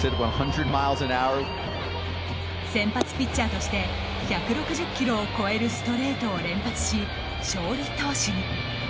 先発ピッチャーとして１６０キロを超えるストレートを連発し勝利投手に。